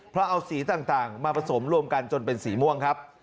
เพราะเอาสีต่างมาผสมรวมกันจนเป็นสีม่วงครับ